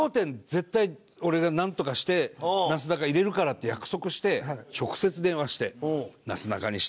絶対俺がなんとかしてなすなか入れるからって約束して直接電話して。